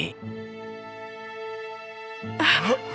oh aku bisa menolongnya